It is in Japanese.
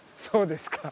そうです。